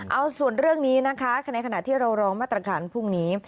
เอาส่วนเรื่องนี้นะคะในขณะที่เรารอมาตรการพรุ่งนี้